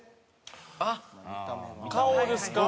顔ですか？